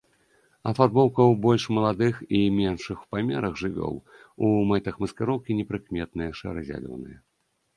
Афарбоўка у больш маладых і меншых ў памерах жывёл у мэтах маскіроўкі непрыкметная, шэра-зялёная.